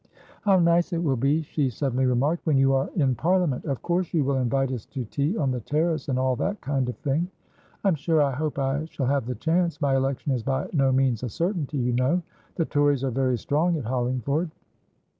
"How nice it will be," she suddenly remarked, "when you are in Parliament! Of course you will invite us to tea on the terrace, and all that kind of thing." "I'm sure I hope I shall have the chance. My election is by no means a certainty, you know. The Tories are very strong at Hollingford."